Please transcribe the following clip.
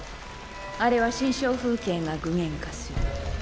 あれは心象風景が具現化する。